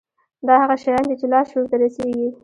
دا هغه شيان دي چې لاشعور ته رسېږي.